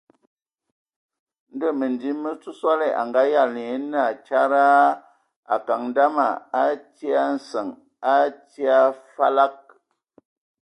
Ndɔ Məndim me Ntsotsɔli a ngayalan nye naa : Tsaarr...ra : Akaŋ dama a tii a nsəŋ, a tii a falag !